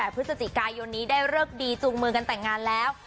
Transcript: พฤศจิกายนนี้ได้เลิกดีจูงมือกันแต่งงานแล้ว